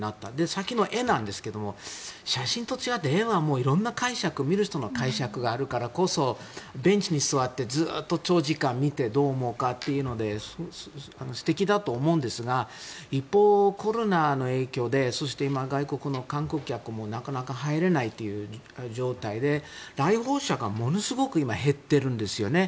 さっきの絵ですが写真と違って絵はいろんな見る人の解釈があるからこそベンチに座ってずっと長時間見てどう思うのかというので素敵だと思うんですが一方、コロナの影響でそして、今、外国の観光客もなかなか入れないという状態で来訪者が、ものすごく今、減っているんですね。